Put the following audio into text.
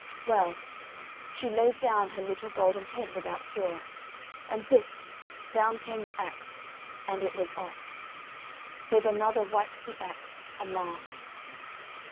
Well! she laid down her little golden head without fear; and whist! down came the axe, and it was off. So the mother wiped the axe and laughed.